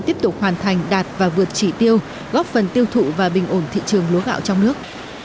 tiếp tục hoàn thành đạt và vượt chỉ tiêu góp phần tiêu thụ và bình ổn thị trường lúa gạo trong nước